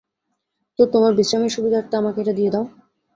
তো তোমার বিশ্রামের সুবিধার্তে, আমাকে এটা দিয়ে দাও।